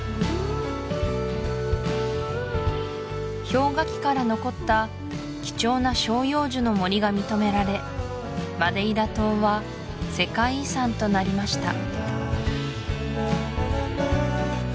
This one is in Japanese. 氷河期から残った貴重な照葉樹の森が認められマデイラ島は世界遺産となりました